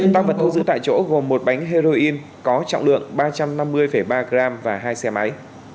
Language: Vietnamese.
tăng vật thu giữ tại chỗ gồm một bánh heroin có trọng lượng ba trăm năm mươi ba g và hai xe máy